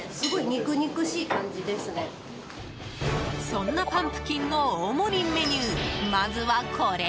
そんなパンプキンの大盛メニュー、まずはこれ。